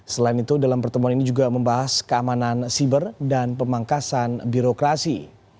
selain itu dalam pertemuan ini juga membahas keamanan siber dan pemangkasan birokrasi